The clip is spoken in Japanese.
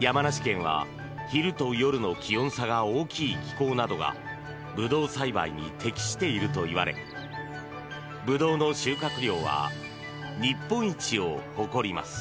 山梨県は昼と夜の気温差が大きい気候などがブドウ栽培に適しているといわれブドウの収穫量は日本一を誇ります。